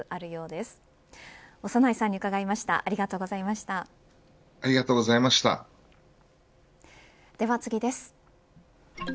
では次です。